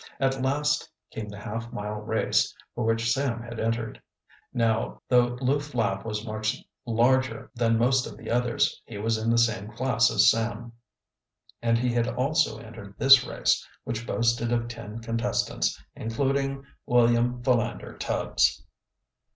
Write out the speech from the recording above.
At last came the half mile race for which Sam had entered. Now, though Lew Flapp was much larger than most of the others, he was in the same class as Sam, and he had also entered this race, which boasted of ten contestants, including William Philander Tubbs.